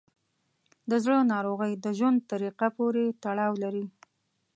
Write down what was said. د زړه ناروغۍ د ژوند طریقه پورې تړاو لري.